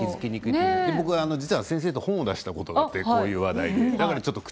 実は僕は高尾先生と本を出したことがあって、こういう話題で。